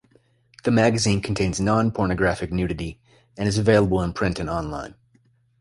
The magazine contains non-pornographic nudity, and is available in print and on-line.